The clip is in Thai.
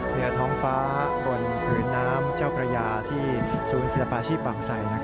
เหนือท้องฟ้าบนผืนน้ำเจ้าพระยาที่ศูนย์ศิลปาชีพบางไส